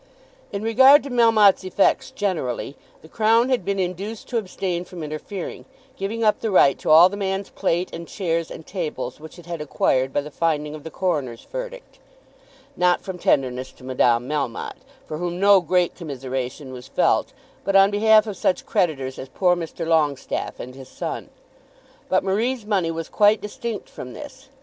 In regard to Melmotte's effects generally the Crown had been induced to abstain from interfering, giving up the right to all the man's plate and chairs and tables which it had acquired by the finding of the coroner's verdict, not from tenderness to Madame Melmotte, for whom no great commiseration was felt, but on behalf of such creditors as poor Mr. Longestaffe and his son. But Marie's money was quite distinct from this.